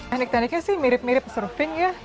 teknik tekniknya sih mirip mirip surfing ya